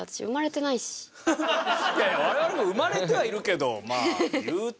いやいや我々も生まれてはいるけどまあ言うて。